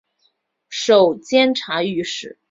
授监察御史。